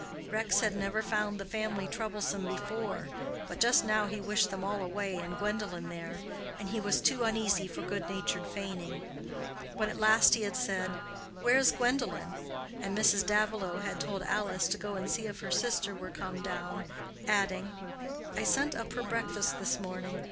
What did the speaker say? Rex had never found the family troublesome before, but just now he wished them all away and Gwendolen there, and he was too uneasy for good natured feigning. When at last he had said, "Where is Gwendolen?" and Mrs. Davilow had told Alice to go and see if her sister were come down, adding, "I sent up her breakfast this morning.